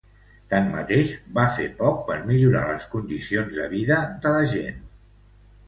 Tanmateix, va fer poc per millorar les condicions de vida de la gent.